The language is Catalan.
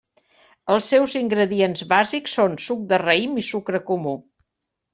Els seus ingredients bàsics són suc de raïm i sucre comú.